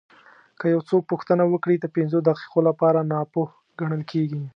که یو څوک پوښتنه وکړي د پنځو دقیقو لپاره ناپوه ګڼل کېږي.